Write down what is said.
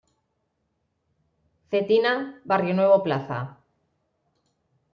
Cetina, Barrionuevo, Pl.